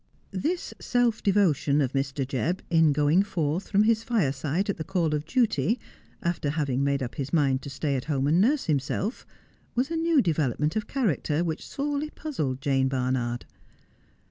This self devotion of Mr. Jebb, in going forth from his fire side at the call of duty, after having made up his mind to stay at home and nurse himself, was a new development of character which sorely puzzled Jane Barnard.